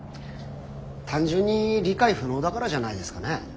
単純に理解不能だからじゃないですかね。